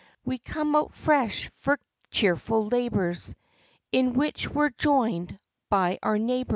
We come out fresh for cheerful labors, In which we're joined by our neighbors.